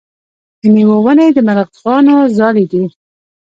د میوو ونې د مرغانو ځالې دي.